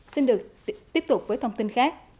xin được tiếp tục với thông tin khác